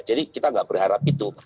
jadi kita nggak berharap itu